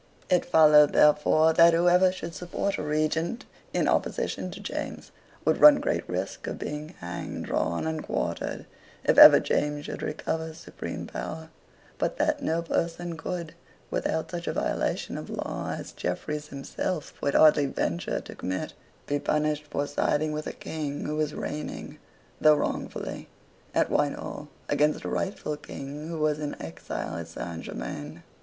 It followed, therefore, that whoever should support a Regent in opposition to James would run great risk of being hanged, drawn, and quartered, if ever James should recover supreme power; but that no person could, without such a violation of law as Jeffreys himself would hardly venture to commit, be punished for siding with a King who was reigning, though wrongfully, at Whitehall, against a rightful King who was in exile at Saint Germains.